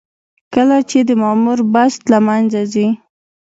کله چې د مامور بست له منځه ځي.